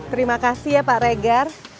terima kasih ya pak regar